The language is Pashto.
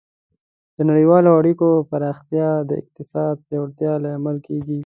د نړیوالو اړیکو پراختیا د اقتصاد پیاوړتیا لامل کیږي.